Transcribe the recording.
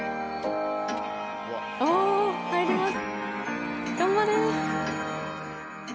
入ります。